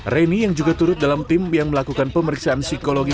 reni yang juga turut dalam tim yang melakukan pemeriksaan psikologi